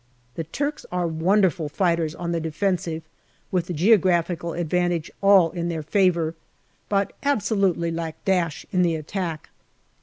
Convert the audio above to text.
The Turks are wonderful fighters on the defensive, with the geographical advantage all in their favour, but absolutely lack dash in the attack.